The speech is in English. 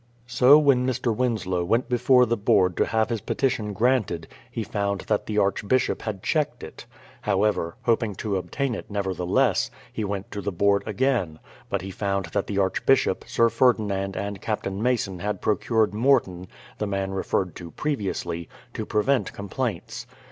So when Mr. Winslow went before the Board to have his petition granted, he found that the Archbishop had checked it. However, hoping to obtain it nevertheless, THE PLY^IOUTH SEITLEMENT 265 he went to the Board again; but he found that the Arch bishop, Sir Ferdinand, and Captain Mason had procured Morton, the man referred to previously, to present com plaints.